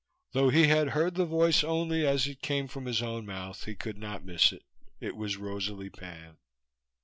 Though he had heard the voice only as it came from his own mouth, he could not miss it. It was Rosalie Pan.